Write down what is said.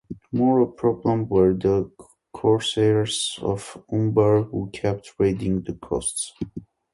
More a problem were the Corsairs of Umbar, who kept raiding the coasts.